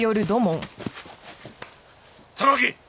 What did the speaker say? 榊！